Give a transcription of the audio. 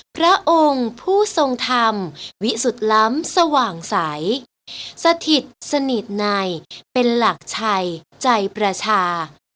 พระองค์ผู้ทรงธรรมวิสุทธิ์ล้ำสว่างใสสถิตสนิทในเป็นหลักชัยใจประชา